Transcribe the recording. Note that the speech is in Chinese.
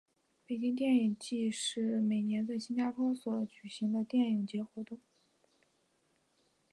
日本电影祭是每年在新加坡所举行的电影节活动。